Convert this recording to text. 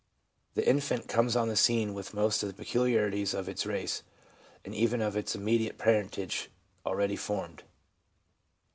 The infant comes on the scene with most of the peculiarities of its race and even of its immediate parentage already formed.